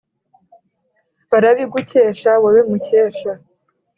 Barabigukesha wowe mukesha,